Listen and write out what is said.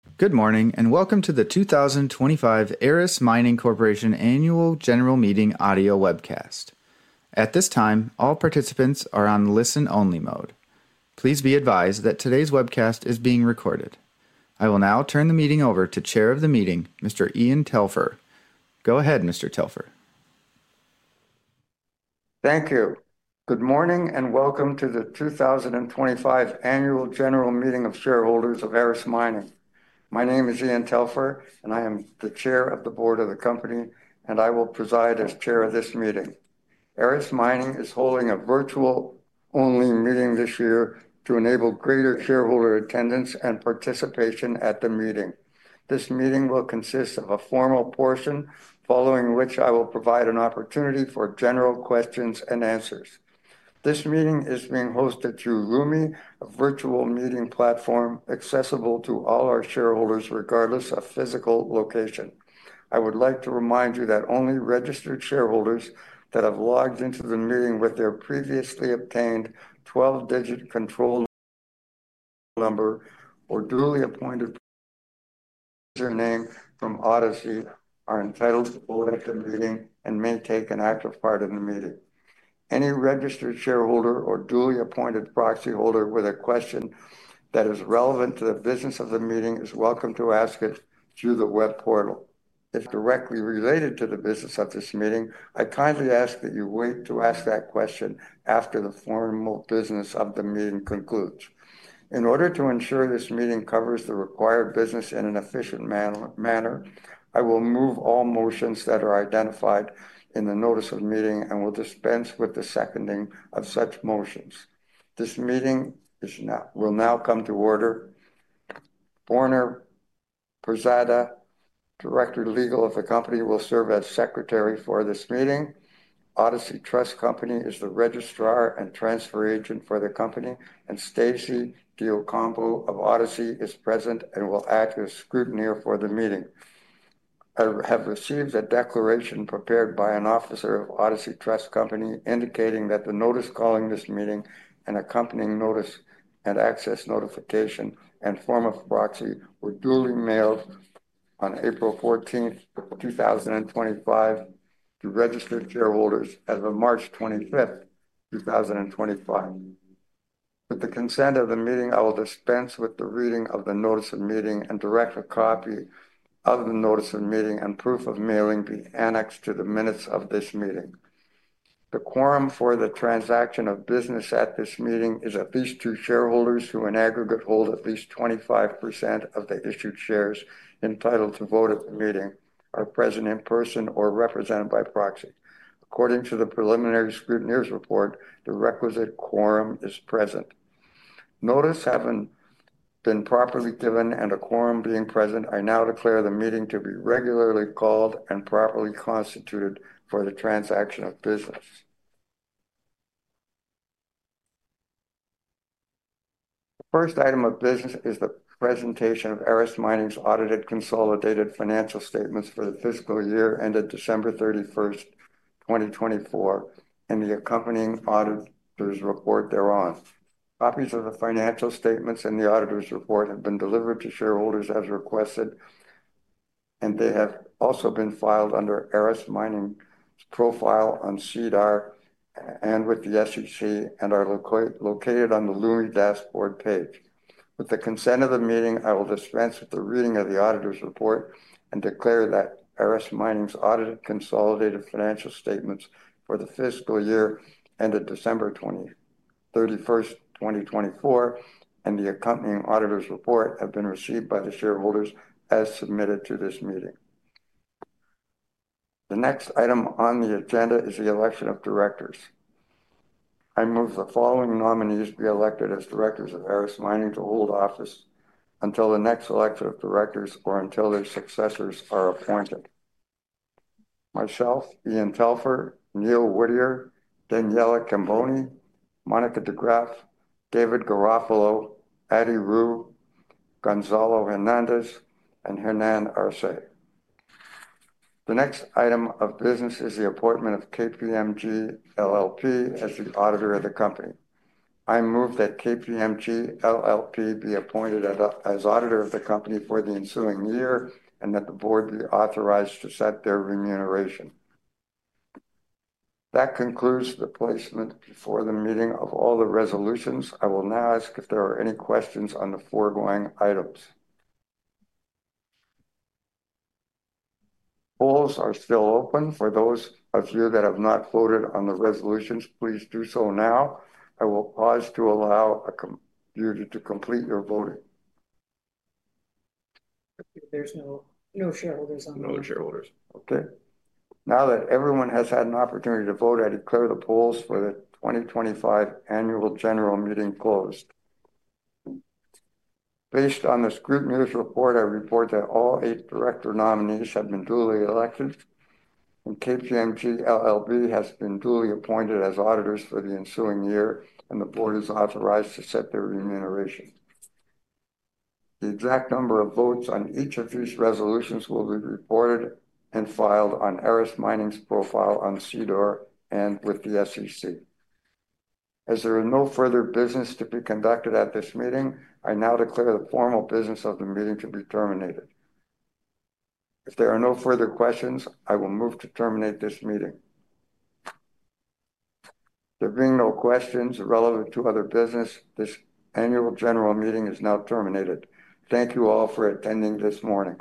Good morning and welcome to the 2025 Aris Mining Corporation Annual General Meeting audio webcast. At this time, all participants are on listen-only mode. Please be advised that today's webcast is being recorded. I will now turn the meeting over to Chair of the Meeting, Mr. Ian Telfer. Go ahead, Mr. Telfer. Thank you. Good morning and welcome to the 2025 Annual General Meeting of Shareholders of Aris Mining. My name is Ian Telfer, and I am the Chair of the Board of the Company, and I will preside as Chair of this meeting. Aris Mining is holding a virtual-only meeting this year to enable greater shareholder attendance and participation at the meeting. This meeting will consist of a formal portion, following which I will provide an opportunity for general questions and answers. This meeting is being hosted through Lumi, a virtual meeting platform accessible to all our shareholders regardless of physical location. I would like to remind you that only registered shareholders that have logged into the meeting with their previously obtained 12-digit control number or duly appointed username from Odyssey are entitled to hold at the meeting and may take an active part in the meeting. Any registered shareholder or duly appointed proxy holder with a question that is relevant to the business of the meeting is welcome to ask it through the web portal. If directly related to the business of this meeting, I kindly ask that you wait to ask that question after the formal business of the meeting concludes. In order to ensure this meeting covers the required business in an efficient manner, I will move all motions that are identified in the notice of meeting and will dispense with the seconding of such motions. This meeting will now come to order. Horner Persada, Director Legal of the Company, will serve as Secretary for this meeting. Odyssey Trust Company is the registrar and transfer agent for the company, and Stacy De Ocampo of Odyssey is present and will act as scrutineer for the meeting. I have received a declaration prepared by an officer of Odyssey Trust Company indicating that the notice calling this meeting and accompanying notice and access notification and form of proxy were duly mailed on April 14, 2025, to registered shareholders as of March 25, 2025. With the consent of the meeting, I will dispense with the reading of the notice of meeting and direct a copy of the notice of meeting and proof of mailing be annexed to the minutes of this meeting. The quorum for the transaction of business at this meeting is at least two shareholders who in aggregate hold at least 25% of the issued shares entitled to vote at the meeting, are present in person or represented by proxy. According to the preliminary scrutineer's report, the requisite quorum is present. Notice having been properly given and a quorum being present, I now declare the meeting to be regularly called and properly constituted for the transaction of business. The first item of business is the presentation of Aris Mining's audited consolidated financial statements for the fiscal year ended December 31, 2024, and the accompanying auditor's report thereon. Copies of the financial statements and the auditor's report have been delivered to shareholders as requested, and they have also been filed under Aris Mining's profile on SEDAR+ and with the SEC and are located on the Lumi Dashboard page. With the consent of the meeting, I will dispense with the reading of the auditor's report and declare that Aris Mining's audited consolidated financial statements for the fiscal year ended December 31, 2024, and the accompanying auditor's report have been received by the shareholders as submitted to this meeting. The next item on the agenda is the election of directors. I move the following nominees be elected as directors of Aris Mining to hold office until the next election of directors or until their successors are appointed: myself, Ian Telfer, Neil Woodyer, Daniela Cambone, Monica De Graff, David Garofalo, Addie Roux, Gonzalo Hernandez, and Germán Arce. The next item of business is the appointment of KPMG LLP as the auditor of the company. I move that KPMG LLP be appointed as auditor of the company for the ensuing year and that the board be authorized to set their remuneration. That concludes the placement before the meeting of all the resolutions. I will now ask if there are any questions on the foregoing items. Polls are still open. For those of you that have not voted on the resolutions, please do so now. I will pause to allow a computer to complete your voting. There's no shareholders on the. No shareholders. Okay. Now that everyone has had an opportunity to vote, I declare the polls for the 2025 Annual General Meeting closed. Based on the scrutineer's report, I report that all eight director nominees have been duly elected and KPMG LLP has been duly appointed as auditors for the ensuing year and the board is authorized to set their remuneration. The exact number of votes on each of these resolutions will be reported and filed on Aris Mining's profile on SEDAR+ and with the SEC. As there is no further business to be conducted at this meeting, I now declare the formal business of the meeting to be terminated. If there are no further questions, I will move to terminate this meeting. There being no questions relevant to other business, this Annual General Meeting is now terminated. Thank you all for attending this morning.